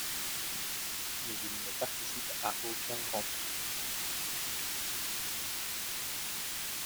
Mais il ne participe à aucun grand tour.